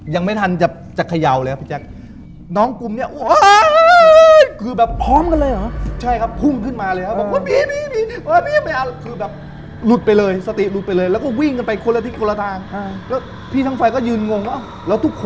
ยังไม่ทันจะเขย่าเลยครับพี่แจ๊ก